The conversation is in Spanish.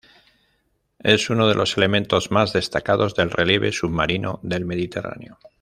Es una de los elementos más destacados del relieve submarino del Mediterráneo.